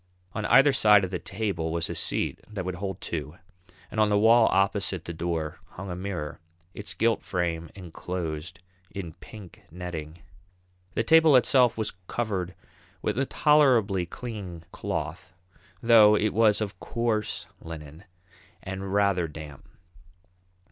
On either side of the table was a seat that would hold two, and on the wall opposite the door hung a mirror, its gilt frame enclosed in pink netting. The table itself was covered with a tolerably clean cloth, though it was of coarse linen and rather damp.